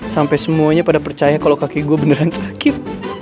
sampai semuanya pada percaya kalau kaki gue beneran sakit